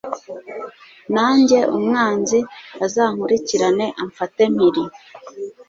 nanjye umwanzi azankurikirane, amfate mpiri